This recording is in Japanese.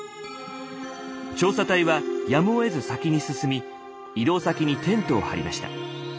調査隊はやむをえず先に進み移動先にテントを張りました。